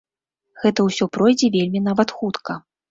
Гэта ўсё пройдзе вельмі нават хутка.